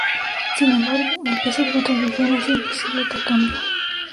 Sin embargo, el peso de la tradición hacía imposible tal cambio.